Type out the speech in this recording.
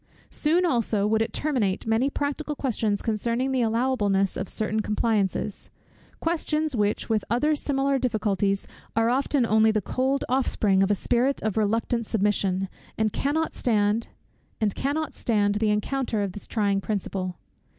Soon also would it terminate many practical questions concerning the allowableness of certain compliances; questions which, with other similar difficulties, are often only the cold offspring of a spirit of reluctant submission, and cannot stand the encounter of this trying principle.